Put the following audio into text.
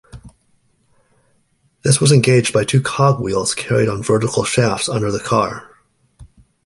This was engaged by two cogwheels carried on vertical shafts under the car.